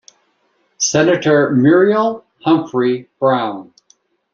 Senator Muriel Humphrey Brown.